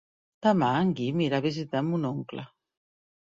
Demà en Guim irà a visitar mon oncle.